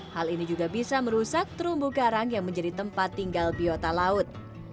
hal ini juga bisa merusak terumbu karang yang menjadi tempat tinggal biota laut